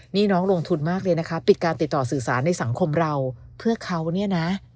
นี่น้องลงทุนมากเลยนะคะปิดการติดต่อสื่อสารในสังคมเราเพื่อเขาเนี่ยนะ